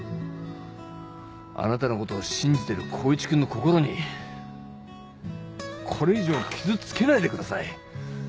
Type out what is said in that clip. あなたの事を信じてる光一くんの心にこれ以上傷つけないでください。